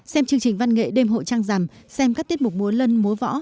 xem chương trình văn nghệ đêm hội trang giảm xem các tiết mục múa lân múa võ